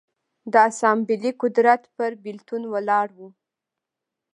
د اسامبلې قدرت پر بېلتون ولاړ و